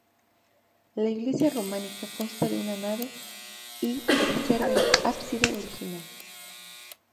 La iglesia románica consta de una nave y preserva el ábside original.